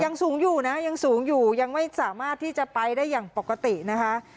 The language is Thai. สูงอยู่นะยังสูงอยู่ยังไม่สามารถที่จะไปได้อย่างปกตินะคะ